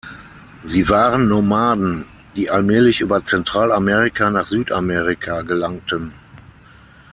Sie waren Nomaden, die allmählich über Zentralamerika nach Südamerika gelangten.